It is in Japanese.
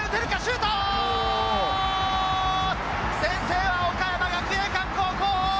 先制は岡山学芸館高校。